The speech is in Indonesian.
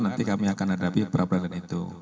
nanti kami akan hadapi perapradilan itu